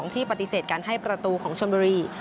ที่ปฏิเสธการให้ประตูของชนบุรี